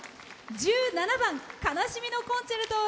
１７番「哀しみのコンチェルト」